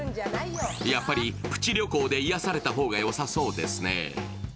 やっぱりプチ旅行で癒された方がよさそうですね